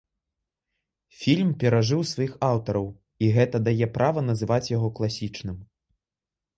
Фільм перажыў сваіх аўтараў, і гэта дае права называць яго класічным.